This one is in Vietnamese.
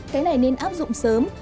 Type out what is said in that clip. cái này nên áp dụng sớm